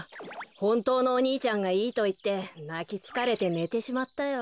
ほんとうのお兄ちゃんがいいといってなきつかれてねてしまったよ。